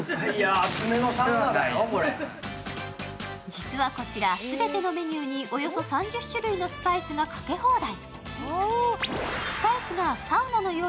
実はこちら、全てのメニューにおよそ３０種のスパイスがかけ放題。